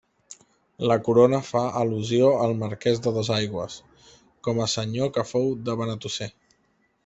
La corona fa al·lusió al marqués de Dosaigües, com a senyor que fou de Benetússer.